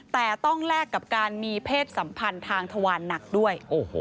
แต่ต้องแลกกับการมีเพศสัมพันธ์ทางทวารหนักด้วย